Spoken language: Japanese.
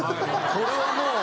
これはもう。